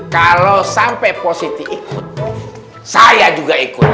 kalau sampai pak siti ikut saya juga ikut